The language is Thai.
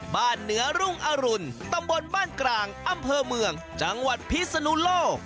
เหนือรุ่งอรุณตำบลบ้านกลางอำเภอเมืองจังหวัดพิศนุโลก